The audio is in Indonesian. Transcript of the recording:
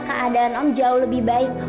keadaan om jauh lebih baik